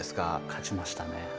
勝ちましたね。